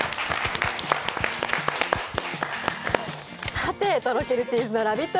さてとろけるチーズのラヴィット！